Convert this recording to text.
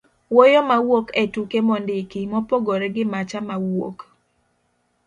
wuoyo mawuok e tuke mondiki, mopogore gi macha mawuok